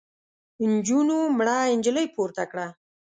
نجونو مړه نجلۍ پورته کړه.